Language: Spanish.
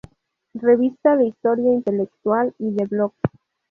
Revista de Historia Intelectual" y de "Block.